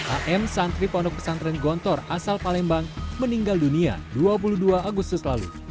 am santri pondok pesantren gontor asal palembang meninggal dunia dua puluh dua agustus lalu